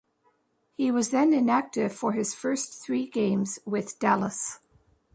He was then inactive for his first three games with Dallas.